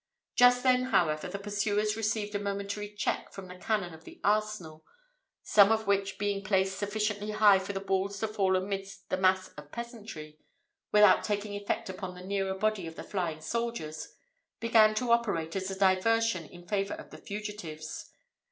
Just then, however, the pursuers received a momentary check from the cannon of the arsenal, some of which being placed sufficiently high for the balls to fall amidst the mass of peasantry, without taking effect upon the nearer body of the flying soldiers, began to operate as a diversion in favour of the fugitives.